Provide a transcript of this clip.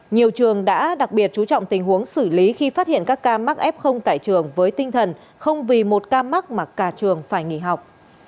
nhiều trường đã đặc biệt chú trọng tình huống xử lý khi phát hiện các ca mắc f tại trường với tinh thần không vì một ca mắc mà cả trường phải nghỉ học